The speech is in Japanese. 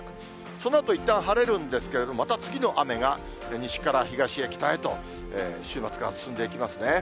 そのあと、いったん晴れるんですけれども、また次の雨が西から東へ、北へと、週末から進んでいきますね。